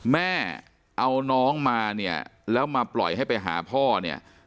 แม่เอาน้องมาเนี่ยแล้วมาปล่อยให้ไปหาพ่อเนี่ย